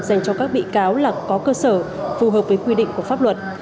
dành cho các bị cáo là có cơ sở phù hợp với quy định của pháp luật